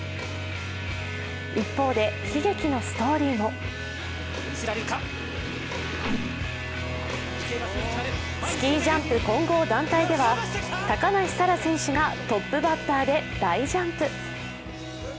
一方で悲劇のストーリーもスキージャンプ混合団体では高梨沙羅選手がトップバッターで大ジャンプ。